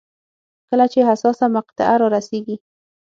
کله چې حساسه مقطعه رارسېږي.